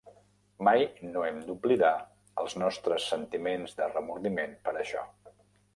Mai no hem d'oblidar els nostres sentiments de remordiment per això.